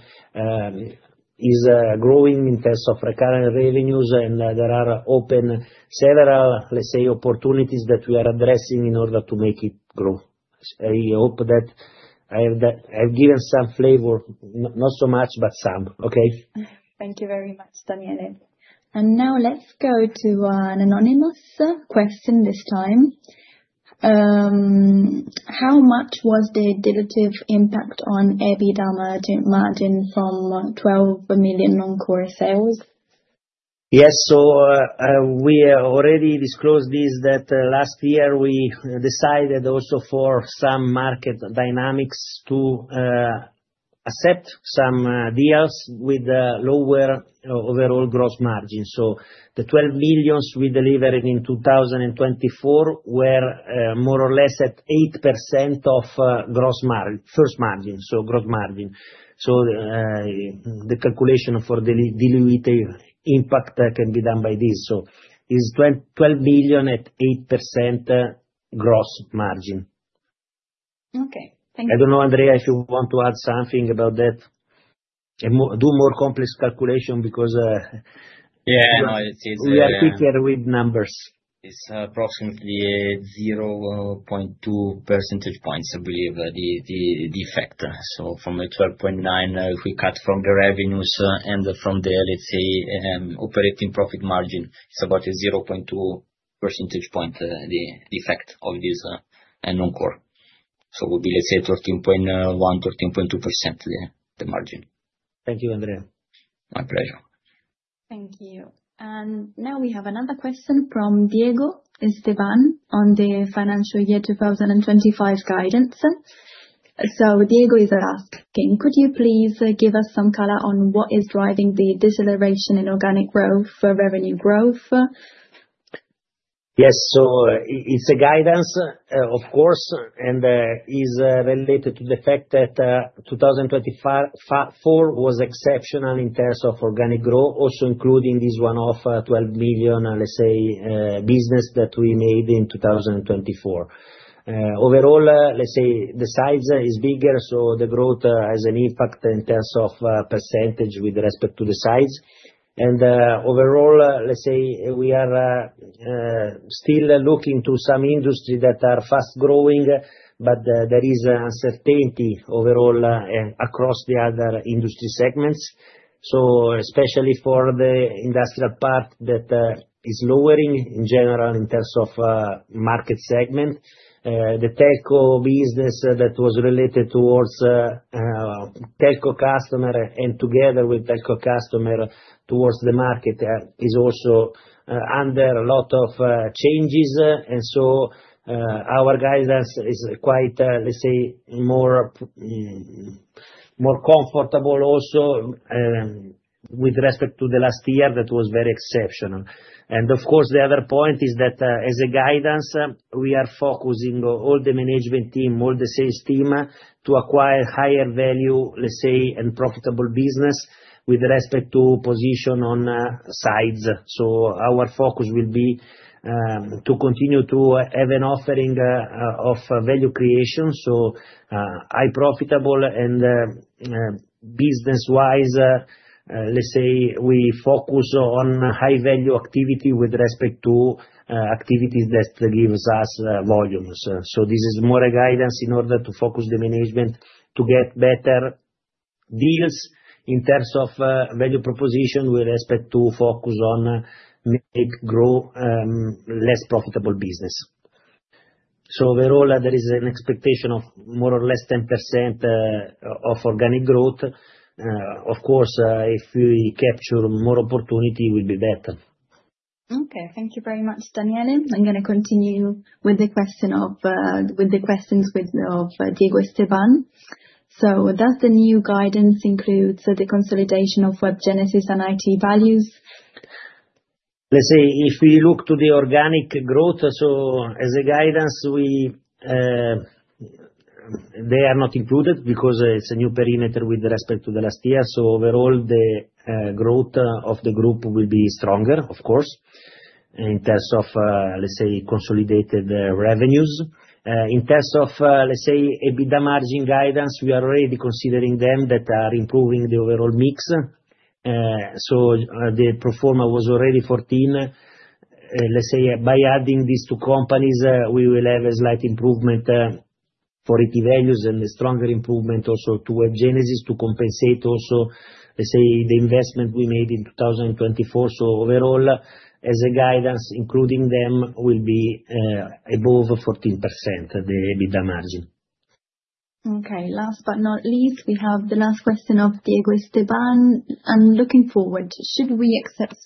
is growing in terms of recurrent revenues. There are open several, let's say, opportunities that we are addressing in order to make it grow. I hope that I have given some flavor, not so much, but some. Okay. Thank you very much, Daniele. Now let's go to an anonymous question this time. How much was the dilutive impact on EBITDA margin from 12 million non-core sales? Yes. We already disclosed this that last year we decided also for some market dynamics to accept some deals with lower overall gross margin. The 12 million we delivered in 2024 were more or less at 8% of gross margin, so gross margin. The calculation for the dilutive impact can be done by this. It is 12 million at 8% gross margin. Okay. Thank you. I don't know, Andrea, if you want to add something about that and do more complex calculation because we are quicker with numbers. It's approximately 0.2 percentage points, I believe, the effect. From the 12.9, if we cut from the revenues and from the, let's say, operating profit margin, it's about a 0.2 percentage point the effect of this non-core. It would be, let's say, 13.1-13.2% the margin. Thank you, Andrea. My pleasure. Thank you. Now we have another question from Diego Esteban on the financial year 2025 guidance. Diego is asking, could you please give us some color on what is driving the deceleration in organic growth for revenue growth? Yes. It is a guidance, of course, and is related to the fact that 2024 was exceptional in terms of organic growth, also including this one-off 12 million, let's say, business that we made in 2024. Overall, let's say the size is bigger, so the growth has an impact in terms of percentage with respect to the size. Overall, we are still looking to some industry that are fast-growing, but there is uncertainty overall across the other industry segments. Especially for the industrial part that is lowering in general in terms of market segment, the telco business that was related towards telco customer and together with telco customer towards the market is also under a lot of changes. Our guidance is quite, let's say, more comfortable also with respect to the last year that was very exceptional. Of course, the other point is that as a guidance, we are focusing all the management team, all the sales team to acquire higher value, let's say, and profitable business with respect to position on sides. Our focus will be to continue to have an offering of value creation. High profitable and business-wise, let's say we focus on high-value activity with respect to activities that gives us volumes. This is more a guidance in order to focus the management to get better deals in terms of value proposition with respect to focus on make grow less profitable business. Overall, there is an expectation of more or less 10% of organic growth. Of course, if we capture more opportunity, it will be better. Okay. Thank you very much, Daniele. I'm going to continue with the question of with the questions with of Diego Esteban. Does the new guidance include the consolidation of Web Genesis and ET Values? Let's say if we look to the organic growth, as a guidance, they are not included because it's a new perimeter with respect to last year. Overall, the growth of the group will be stronger, of course, in terms of consolidated revenues. In terms of EBITDA margin guidance, we are already considering them that are improving the overall mix. The pro forma was already 14%. By adding these two companies, we will have a slight improvement for ET Values and a stronger improvement also to Web Genesis to compensate also the investment we made in 2024. Overall, as a guidance, including them will be above 14% EBITDA margin. Last but not least, we have the last question of Diego Esteban. Looking forward, should we expect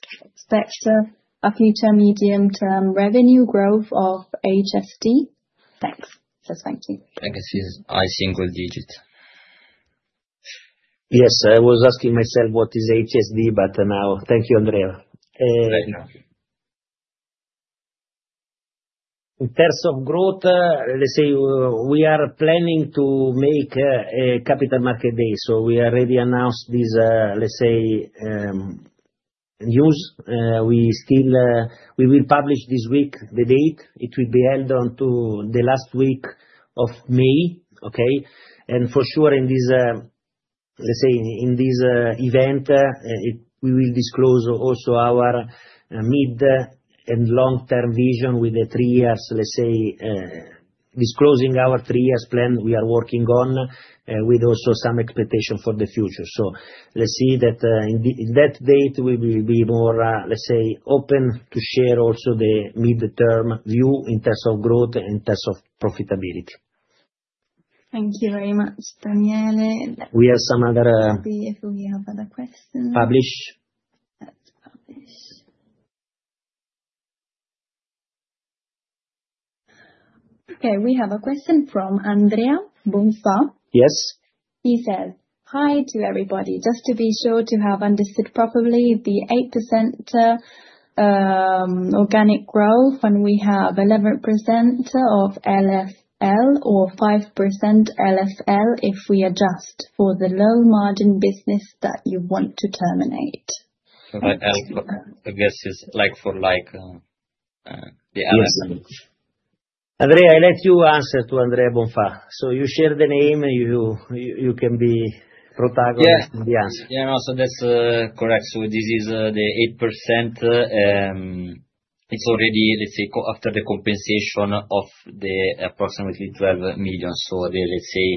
a future medium-term revenue growth of HSD? Thanks. Just thank you. I can see it's high single digit. Yes. I was asking myself what is HSD, but now thank you, Andrea. Right now, in terms of growth, let's say we are planning to make a Capital Market Day. We already announced this news. We will publish this week the date. It will be held in the last week of May, okay? For sure, in this event, we will disclose also our mid and long-term vision with the three years, disclosing our three years plan we are working on with also some expectation for the future. Let's see that in that date, we will be more, let's say, open to share also the mid-term view in terms of growth and in terms of profitability. Thank you very much, Daniele. We have some other happy if we have other questions. Publish. Let's publish. Okay. We have a question from Andrea Bonfa. Yes. He says, "Hi to everybody. Just to be sure to have understood properly the 8% organic growth when we have 11% of LFL or 5% LFL if we adjust for the low-margin business that you want to terminate." I guess it's like for like, the LFL. Yes. Andrea, I'll let you answer to Andrea Bonfa. So you share the name, you can be protagonist in the answer. Yeah. No, that's correct. This is the 8%. It's already, let's say, after the compensation of the approximately 12 million. Let's say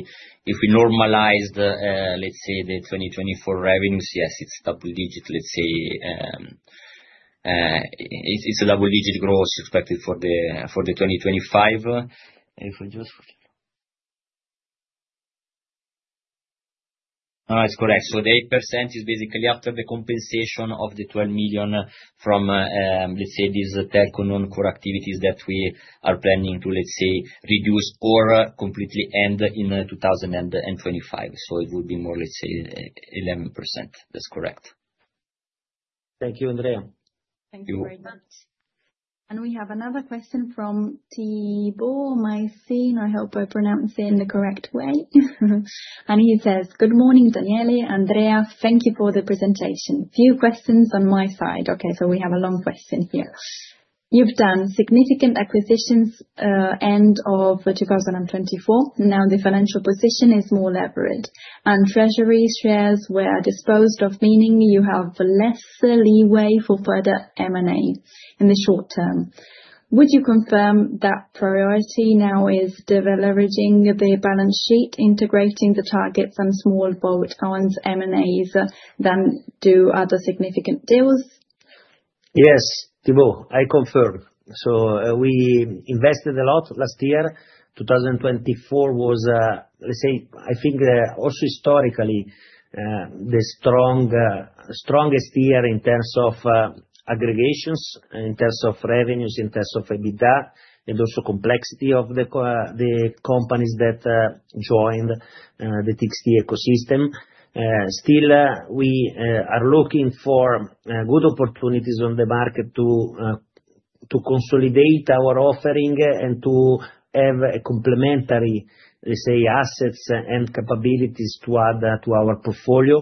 if we normalized, let's say, the 2024 revenues, yes, it's double-digit, let's say. It's a double-digit growth expected for 2025. If we just, No, it's correct. The 8% is basically after the compensation of the 12 million from, let's say, these telco non-core activities that we are planning to, let's say, reduce or completely end in 2025. It would be more, let's say, 11%. That's correct. Thank you, Andrea. Thank you very much. We have another question from Thibaut [Mycene]. I hope I pronounce it in the correct way. He says, "Good morning, Daniele. Andrea, thank you for the presentation. Few questions on my side." Okay. We have a long question here. You've done significant acquisitions end of 2024. Now the financial position is more levered. Treasury shares were disposed of, meaning you have less leeway for further M&A in the short term. Would you confirm that priority now is developing the balance sheet, integrating the targets and small bolt-on M&As than do other significant deals? Yes. Thibaut, I confirm. We invested a lot last year. 2024 was, let's say, I think also historically the strongest year in terms of aggregations, in terms of revenues, in terms of EBITDA, and also complexity of the companies that joined the TXT ecosystem. Still, we are looking for good opportunities on the market to consolidate our offering and to have complementary, let's say, assets and capabilities to add to our portfolio.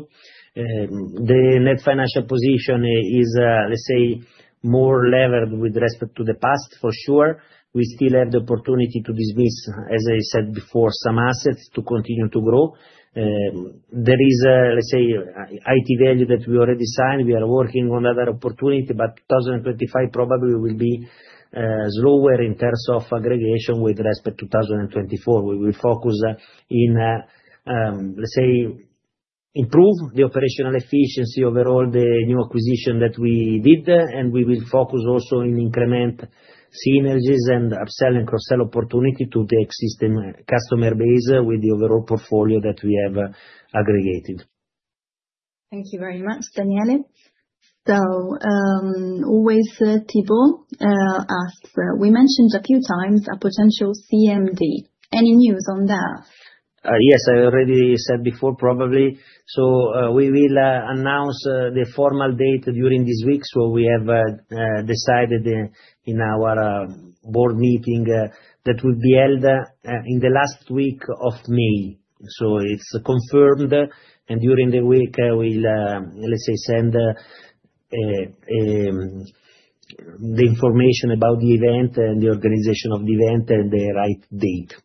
The net financial position is, let's say, more levered with respect to the past, for sure. We still have the opportunity to dismiss, as I said before, some assets to continue to grow. There is, let's say, ET Values that we already signed. We are working on other opportunities, but 2025 probably will be slower in terms of aggregation with respect to 2024. We will focus in, let's say, improve the operational efficiency over all the new acquisition that we did, and we will focus also in increment synergies and upsell and cross-sell opportunity to the existing customer base with the overall portfolio that we have aggregated. Thank you very much, Daniele. Always Thibaut asks, we mentioned a few times a potential CMD. Any news on that? Yes. I already said before probably. We will announce the formal date during this week. We have decided in our board meeting that will be held in the last week of May. It is confirmed. During the week, we'll, let's say, send the information about the event and the organization of the event and the right date.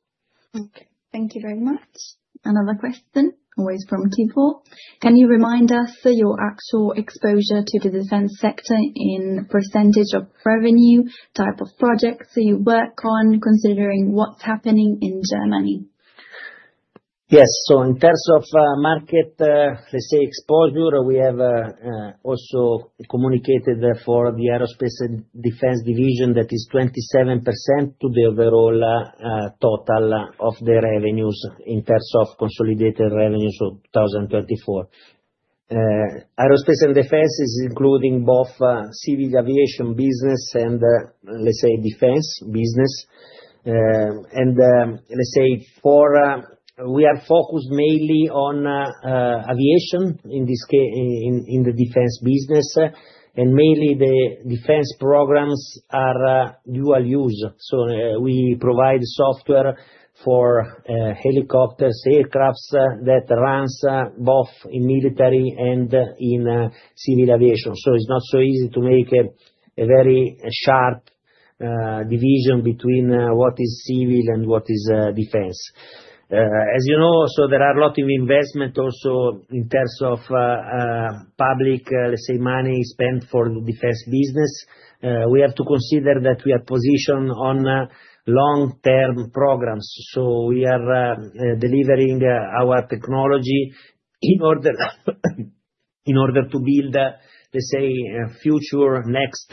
Okay. Thank you very much. Another question, always from Thibaut. Can you remind us your actual exposure to the defense sector in percentage of revenue, type of projects you work on, considering what's happening in Germany? Yes. In terms of market, let's say, exposure, we have also communicated for the Aerospace and defense division that is 27% to the overall total of the revenues in terms of consolidated revenues of 2024. Aerospace and defense is including both civil aviation business and, let's say, defense business. Let's say we are focused mainly on aviation in the defense business, and mainly the defense programs are dual-use. We provide software for helicopters, aircrafts that run both in military and in civil aviation. It is not so easy to make a very sharp division between what is civil and what is defense. As you know, there are a lot of investments also in terms of public, let's say, money spent for the defense business. We have to consider that we are positioned on long-term programs. We are delivering our technology in order to build, let's say, future, next,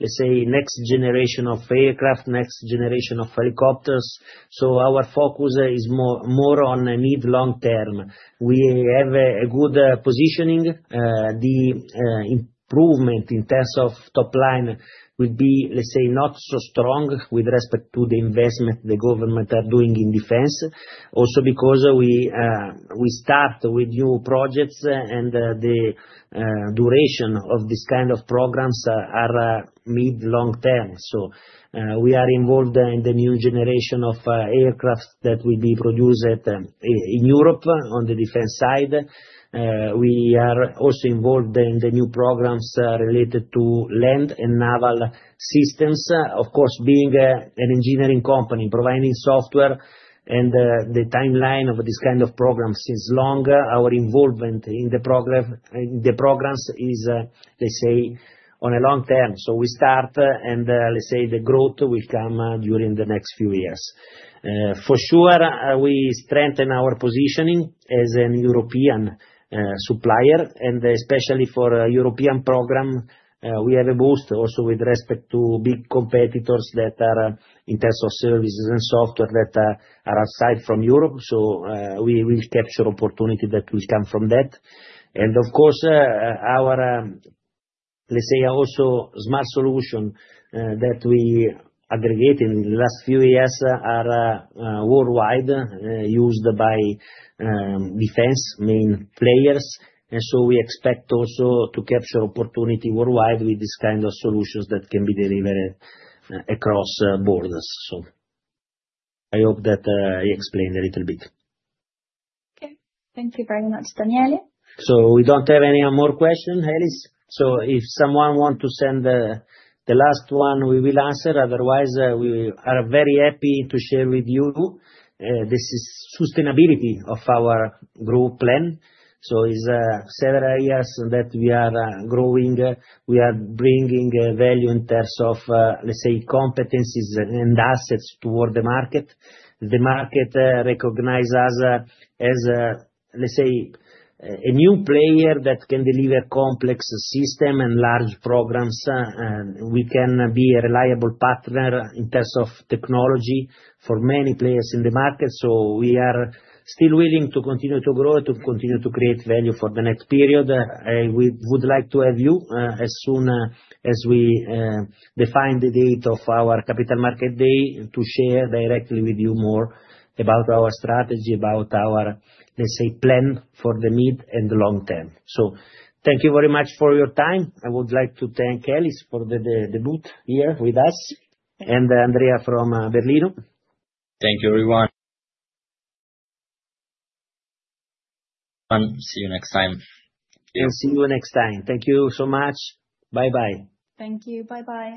let's say, next generation of aircraft, next generation of helicopters. Our focus is more on mid-long term. We have a good positioning. The improvement in terms of top line will be, let's say, not so strong with respect to the investment the government are doing in defense. Also because we start with new projects and the duration of these kinds of programs are mid-long term. We are involved in the new generation of aircraft that will be produced in Europe on the defense side. We are also involved in the new programs related to land and naval systems. Of course, being an engineering company, providing software and the timeline of this kind of program since long, our involvement in the programs is, let's say, on a long term. We start and, let's say, the growth will come during the next few years. For sure, we strengthen our positioning as a European supplier. Especially for a European program, we have a boost also with respect to big competitors that are in terms of services and software that are outside from Europe. We will capture opportunities that will come from that. Of course, our, let's say, also smart solution that we aggregated in the last few years are worldwide used by defense main players. We expect also to capture opportunity worldwide with this kind of solutions that can be delivered across borders. I hope that I explained a little bit. Okay. Thank you very much, Daniele. We do not have any more questions, Alice. If someone wants to send the last one, we will answer. Otherwise, we are very happy to share with you this sustainability of our growth plan. It is several years that we are growing. We are bringing value in terms of, let's say, competencies and assets toward the market. The market recognizes us as, let's say, a new player that can deliver complex systems and large programs. We can be a reliable partner in terms of technology for many players in the market. We are still willing to continue to grow, to continue to create value for the next period. I would like to have you as soon as we define the date of our capital market day to share directly with you more about our strategy, about our, let's say, plan for the mid and long term. Thank you very much for your time. I would like to thank Alice for the booth here with us and Andrea from Berlin. Thank you, everyone. See you next time. See you next time. Thank you so much. Bye-bye. Thank you. Bye-bye.